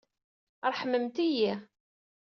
Ṛeḥmemt-iyi.